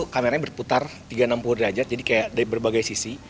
kameranya berputar tiga ratus enam puluh derajat jadi kayak dari berbagai sisi